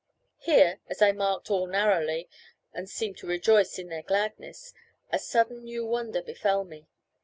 Here, as I marked all narrowly, and seemed to rejoice in their gladness, a sudden new wonder befell me.